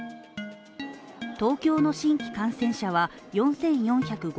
東京の新規感染者は４４５１人。